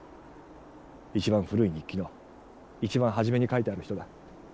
一番古い日記の一番初めに書いてある人だ。